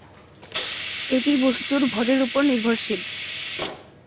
এটি বস্তুর ভরের ওপর নির্ভরশীল।